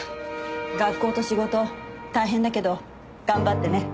学校と仕事大変だけど頑張ってね。